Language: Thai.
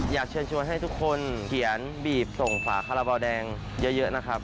อยากเชิญชวนให้ทุกคนเขียนบีบส่งฝาคาราบาลแดงเยอะนะครับ